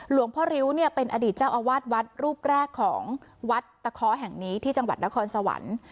พ่อริ้วเนี่ยเป็นอดีตเจ้าอาวาสวัดรูปแรกของวัดตะเคาะแห่งนี้ที่จังหวัดนครสวรรค์